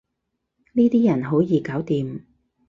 呢啲人好易搞掂